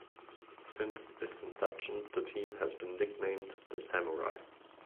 Since its inception, the team has been nicknamed the "Samurai".